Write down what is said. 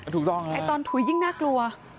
ถูกต้องไอ้ตอนถุยยิ่งน่ากลัว